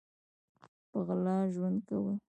په غلا ژوند کوو